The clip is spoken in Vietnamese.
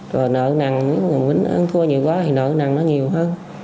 rồi nợ nặng nếu mình ăn thua nhiều quá thì nợ nặng nó nhiều hơn